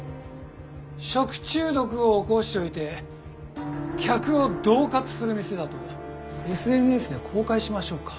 食中毒を起こしておいて客をどう喝する店だとＳＮＳで公開しましょうか？